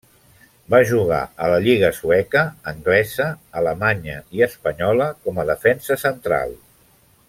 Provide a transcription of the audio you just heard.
Va jugar a la lliga sueca, anglesa, alemanya i espanyola com a defensa central.